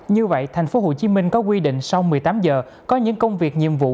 như vậy thành phố hồ chí minh có quy định sau một mươi tám giờ có những công việc nhiệm vụ